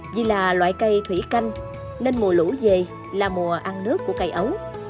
vì là loại cây thủy canh nên mùa lũ về là mùa ăn nước của cây ấu